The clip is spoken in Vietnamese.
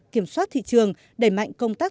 kiểm soát thị trường đẩy mạnh công tác